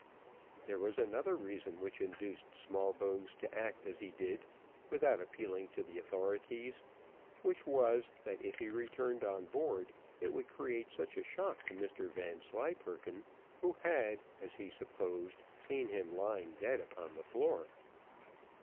There was another reason which induced Smallbones to act as he did without appealing to the authorities which was, that if he returned on board, it would create such a shock to Mr Vanslyperken, who had, as he supposed, seen him lying dead upon the floor.